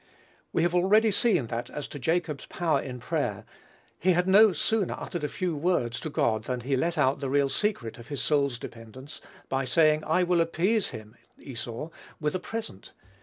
We have already seen that, as to Jacob's power in prayer, he had no sooner uttered a few words to God than he let out the real secret of his soul's dependence, by saying, "I will appease him (Esau) with a present."